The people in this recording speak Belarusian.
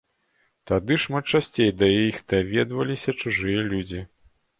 Тады шмат часцей да іх даведваліся чужыя людзі.